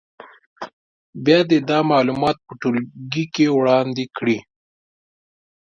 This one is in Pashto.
بیا دې دا معلومات په ټولګي کې وړاندې کړي.